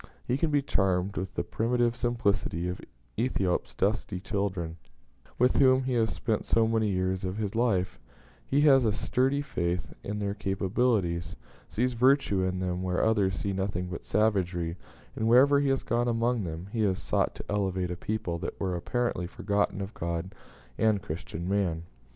He can be charmed with the primitive simplicity of Ethiop's dusky children, with whom he has spent so many years of his life; he has a sturdy faith in their capabilities; sees virtue in them where others see nothing but savagery; and wherever he has gone among them, he has sought to elevate a people that were apparently forgotten of God and Christian man.